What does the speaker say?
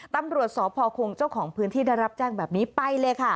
ตำรวจสพคงเจ้าของพื้นที่ได้รับแจ้งแบบนี้ไปเลยค่ะ